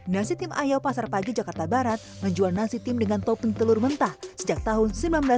nasi tim ayo pasar pagi jakarta barat menjual nasi tim dengan topping telur mentah sejak tahun seribu sembilan ratus sembilan puluh